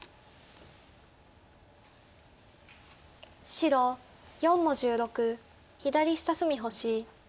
白４の十六左下隅星。